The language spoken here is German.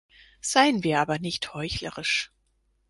Seien wir aber nicht heuchlerisch.